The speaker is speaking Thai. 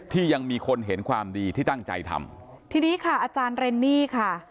ที่ยังมีคนเห็นความดีที่ตั้งใจทำทีนี้ค่ะอาจารย์เรนนี่ค่ะ